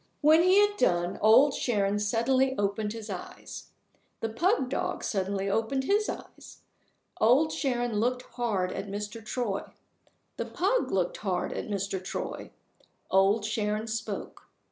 When he had done, Old Sharon suddenly opened his eyes. The pug dog suddenly opened his eyes. Old Sharon looked hard at Mr. Troy. The pug looked hard at Mr. Troy. Old Sharon spoke.